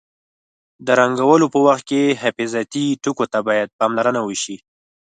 د رنګولو په وخت کې حفاظتي ټکو ته باید پاملرنه وشي.